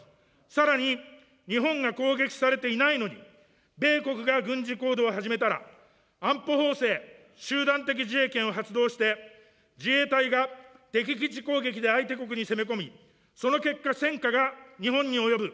さらに日本が攻撃されていないのに、米国が軍事行動を始めたら、安保法制、集団的自衛権を発動して、自衛隊が敵基地攻撃で相手国に攻め込み、その結果、戦火が日本に及ぶ。